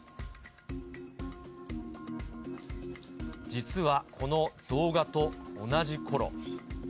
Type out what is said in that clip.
実はこの動画と同じころ。